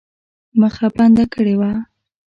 مخه بنده کړې وه.